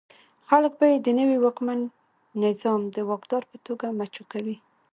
خلک به یې د نوي واکمن نظام د واکدار په توګه مچو کوي.